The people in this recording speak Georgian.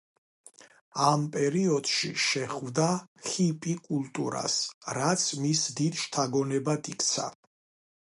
ამ პერიოდში, შეხვდა ჰიპი კულტურას, რაც მის დიდ შთაგონებად იქცა.